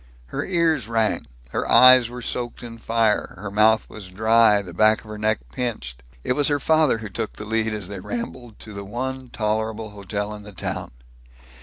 Her ears rang, her eyes were soaked in fire, her mouth was dry, the back of her neck pinched. It was her father who took the lead as they rambled to the one tolerable hotel in the town.